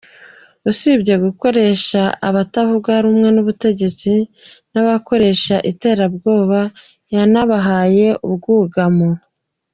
Usibye gukoresha abatavuga rumwe n’ubutegetsi n’abakoresha iterabwoba yanabahaye ubwugamo.